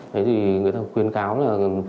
thế thì người ta khuyên cáo là